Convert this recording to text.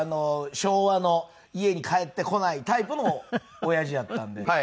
昭和の家に帰ってこないタイプの親父やったんで。